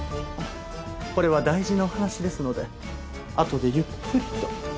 これは大事なお話ですのであとでゆっくりと。